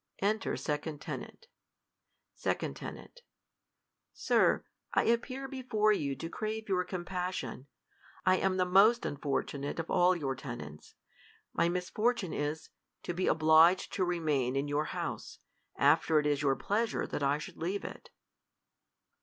Enter second Tenant. 2 J. Tenant, Sir, I appear before you to crave your^ compassion. I am the most unfortunate of all your tenants. My misfr.rtune is, to be obliged to remain in your house, after it is your pleasure that I should | leave it.